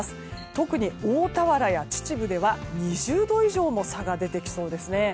特に大田原や秩父では２０度以上の差が出てきそうですね。